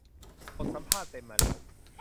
บทสัมภาษณ์เต็มมาแล้ว